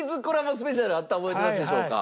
スペシャルあったの覚えてますでしょうか？